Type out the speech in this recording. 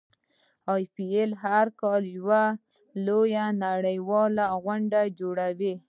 ایم ایل اې هر کال یوه لویه نړیواله غونډه جوړوي.